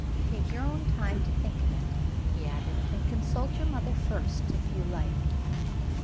"Take your own time to think of it," he added; "and consult your mother first, if you like."